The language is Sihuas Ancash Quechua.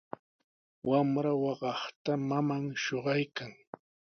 Wamra waqaykaqta maman shuqaykan.